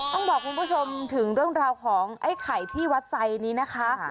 ต้องบอกคุณผู้ชมถึงเรื่องราวของไอ้ไข่ที่วัดไซดนี้นะคะ